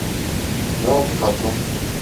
Ne oldu tatlım?